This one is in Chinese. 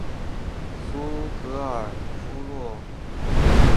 苏格尔洛夫镇区是位于美国阿肯色州布恩县的一个行政镇区。